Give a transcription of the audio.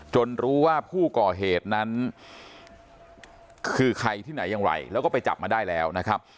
รู้ว่าผู้ก่อเหตุนั้นคือใครที่ไหนอย่างไรแล้วก็ไปจับมาได้แล้วนะครับ